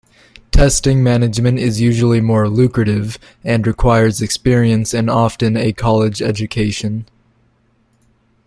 Testing management is usually more lucrative, and requires experience and often a college education.